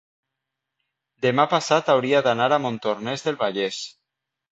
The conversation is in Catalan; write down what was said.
demà passat hauria d'anar a Montornès del Vallès.